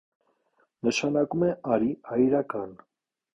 Նշանակում է «արի այրական»։